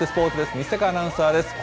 西阪アナウンサーです。